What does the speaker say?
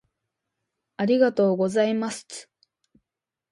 ありがとうございますつ